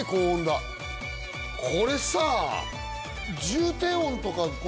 これさ。